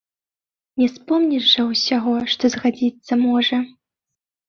Не спомніш жа ўсяго, што згадзіцца можа.